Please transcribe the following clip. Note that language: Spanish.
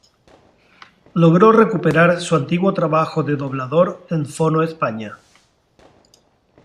Logró recuperar su antiguo trabajo de doblador en Fono España.